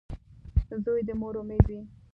• زوی د مور امید وي.